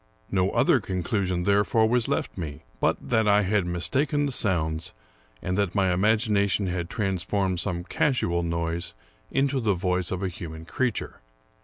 No other conclusion, therefore, was left me, but that I had mistaken the sounds, and that my imagination had transformed some casual noise into the voice of a 230 Charles Brockden Brown human creature.